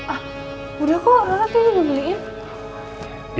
ah udah kok rara tuh udah beliin